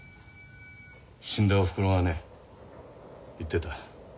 死んだおふくろがね言ってた。